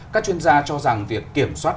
các chuyên gia cho rằng việc kiểm soát